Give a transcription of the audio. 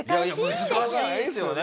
難しいですよね。